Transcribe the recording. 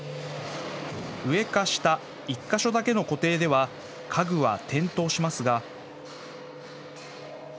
上か下１か所だけの固定では家具は転倒しますが。